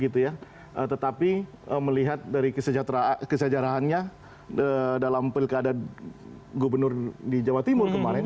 tetapi melihat dari kesejarahannya dalam pilkada gubernur di jawa timur kemarin